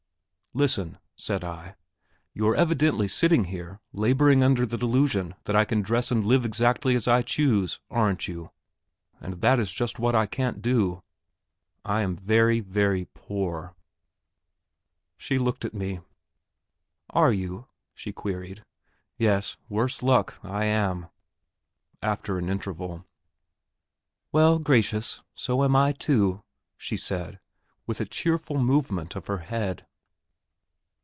"Listen," said I; "you are evidently sitting here labouring under the delusion that I can dress and live exactly as I choose, aren't you? And that is just what I can't do; I am very, very poor." She looked at me. "Are you?" she queried. "Yes, worse luck, I am." After an interval. "Well, gracious, so am I, too," she said, with a cheerful movement of her head.